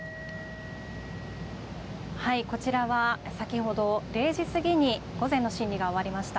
はい、こちらは先ほど０時過ぎに午前の審理が終わりました。